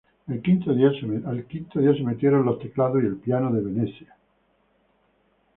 El quinto día se metieron los teclados y el piano de "Venezia".